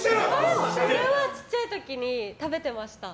これは、ちっちゃい時に食べてました。